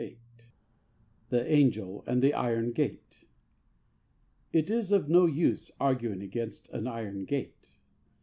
VIII THE ANGEL AND THE IRON GATE It is of no use arguing against an iron gate.